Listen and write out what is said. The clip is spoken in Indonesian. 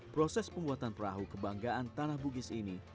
proses pembuatan perahu kebanggaan tanah bugis ini